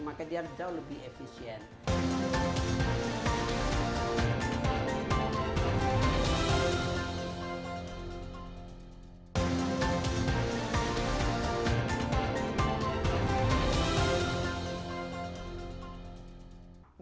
maka dia harus jauh lebih efisien